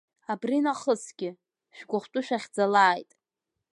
Абри нахысгьы, шәгәыхәтәы шәахьӡалааит!